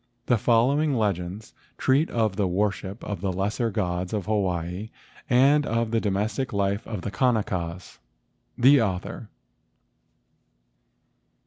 The following legends treat of the worship of the lesser gods of Hawaii and of the do¬ mestic life of the Kanakas. The Author.